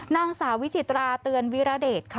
นางสาววิจิตราเตือนวิรเดชค่ะ